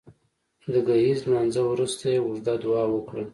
د ګهیځ لمانځه وروسته يې اوږده دعا وکړه